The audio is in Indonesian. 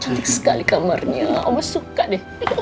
cantik sekali kamarnya omo suka deh